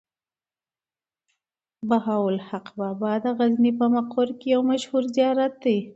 بهاوالحق بابا د غزني په مقر کې يو مشهور زيارت دی.